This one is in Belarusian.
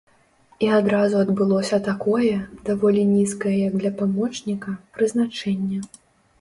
І адразу адбылося такое, даволі нізкае як для памочніка, прызначэнне.